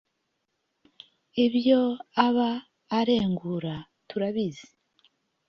ibyo aba arengura turabizi